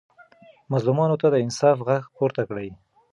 مظلومانو ته د انصاف غږ پورته کړئ.